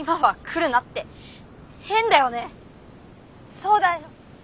そうだよ。